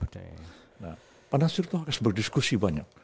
nah pak nasir itu harus berdiskusi banyak